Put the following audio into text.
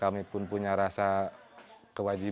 karena persemangatan orang juga sulit